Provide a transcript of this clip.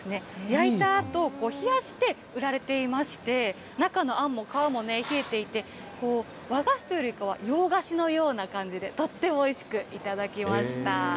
焼いたあと、冷やして売られていまして、中のあんもかわも冷えていて、和菓子というよりは洋菓子のような感じで、とってもおいしくいただきました。